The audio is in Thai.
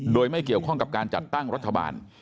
โดยไม่เกี่ยวข้องกับการจัดตั้งรัฐบาล